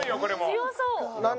強そう。